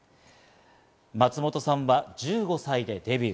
松本さんは１５歳でデビュー。